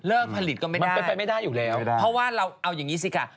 เลิกผลิตก็ไม่ได้เพราะว่าเราเอาอย่างนี้สิค่ะ